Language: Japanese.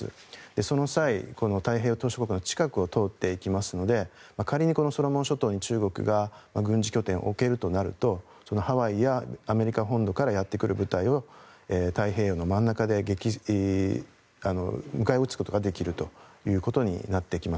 その際、太平洋島しょ国の近くを通っていきますので仮にソロモン諸島に中国が軍事拠点を置けるとなるとハワイやアメリカ本土からやってくる部隊を太平洋の真ん中で迎え撃つことができるということになってきます。